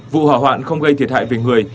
vụ hỏa hoạn không gây thiệt hại về người